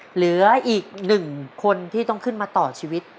เหลืออีกหนึ่งคนที่ต้องขึ้นมาต่อชีวิต